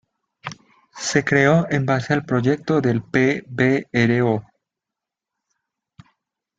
Se creó en base al proyecto del Pbro.